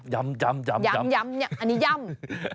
ย้ำย้ำย้ำนี่ย้ำ